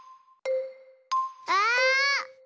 あ！